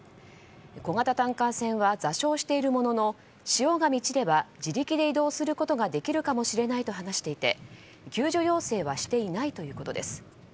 小型タンカー船は座礁しているものの潮が満ちれば自力で移動することができるかもしれないと話していて、救助要請はしていないということです。